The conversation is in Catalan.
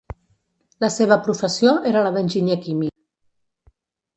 La seva professió era la d'enginyer químic.